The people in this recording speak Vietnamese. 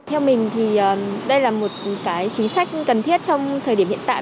theo mình thì đây là một chính sách cần thiết trong thời điểm hiện tại